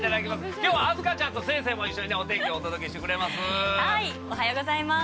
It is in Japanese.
きょうは明日香ちゃんと星星も一緒にお天気、お届けしてくれます。